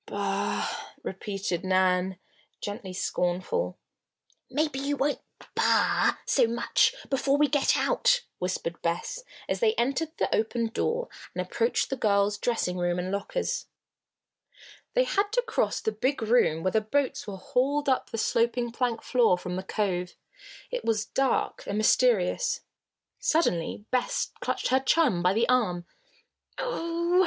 "Bah!" repeated Nan, gently scornful. "Maybe you won't 'bah' so much before we get out," whispered Bess, as they entered the open door and approached the girls' dressing room and lockers. They had to cross the big room where the boats were hauled up the sloping plank floor from the cove. It was dark and mysterious. Suddenly Bess clutched her chum by the arm. "Oh o o!"